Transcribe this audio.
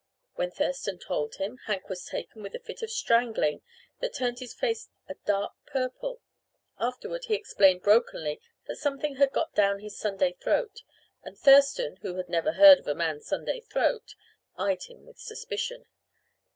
When Thurston told him, Hank was taken with a fit of strangling that turned his face a dark purple. Afterward he explained brokenly that something had got down his Sunday throat and Thurston, who had never heard of a man's Sunday throat, eyed him with suspicion.